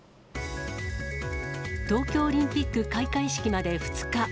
東京オリンピック開会式まで２日。